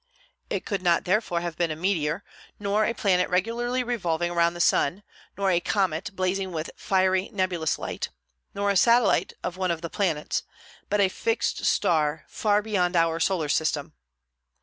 It could not therefore have been a meteor, nor a planet regularly revolving round the sun, nor a comet blazing with fiery nebulous light, nor a satellite of one of the planets, but a fixed star, far beyond our solar system.